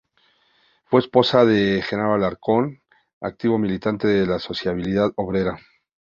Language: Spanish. Fue esposa de Jenaro Alarcón, activo militante de la sociabilidad obrera.